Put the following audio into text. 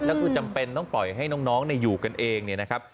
แล้วคือจำเป็นต้องปล่อยให้น้องอยู่กันเองเนี่ยนะครับ